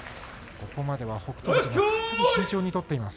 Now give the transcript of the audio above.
ここまでは北勝富士、慎重に取っています。